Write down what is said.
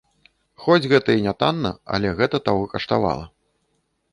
Хоць гэта і нятанна, але гэта таго каштавала.